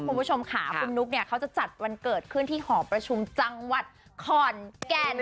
คุณผู้ชมค่ะคุณนุ๊กเนี่ยเขาจะจัดวันเกิดขึ้นที่หอประชุมจังหวัดขอนแก่น